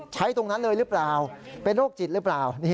ตรงนั้นเลยหรือเปล่าเป็นโรคจิตหรือเปล่า